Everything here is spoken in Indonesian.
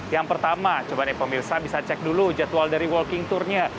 yang pertama coba nih pemirsa bisa cek dulu jadwal dari walking tournya